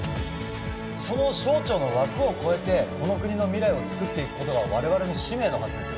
その省庁の枠を超えてこの国の未来をつくっていくことが我々の使命のはずですよ